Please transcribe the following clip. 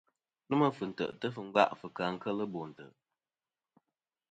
Nômɨ fɨ̀ntè'tɨ fɨ ngva fɨ̀ kà kel bo ntè'.